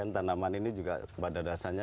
tanaman ini pada dasarnya